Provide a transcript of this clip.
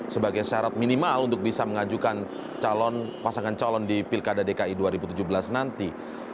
sebagai syarat minimal untuk bisa mengajukan calon pasangan calon di pilkada dki dua ribu tujuh belas nanti